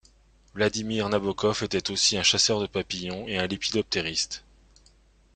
Vladimir Nabokov est aussi un chasseur de papillons et un lépidoptériste.